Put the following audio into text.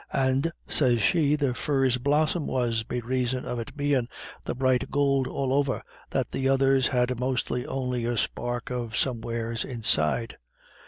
And, sez she, the furze blossom was, be raison of it bein' the bright gould all over, that the others had mostly only a spark of somewheres inside.